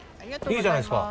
いいじゃないですか。